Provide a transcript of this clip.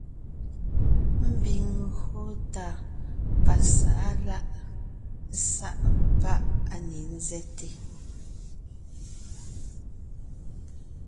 Ḿbiŋ ńgÿo tà pasá’a lá’ sá’ pá’ á ne ńzέte,